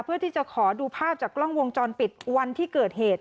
เพื่อที่จะขอดูภาพจากกล้องวงจรปิดวันที่เกิดเหตุ